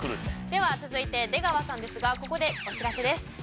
では続いて出川さんですがここでお知らせです。